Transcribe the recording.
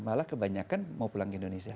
malah kebanyakan mau pulang ke indonesia